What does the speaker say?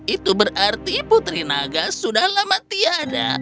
itu berarti putri naga sudah lama tiada